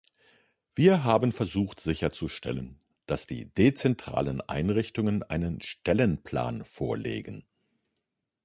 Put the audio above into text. Wir haben versucht, sicherzustellen, dass die dezentralen Einrichtungen einen Stellenplan vorlegen.